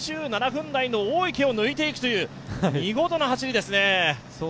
２７分台の大池を抜いていくという見事な走りですね。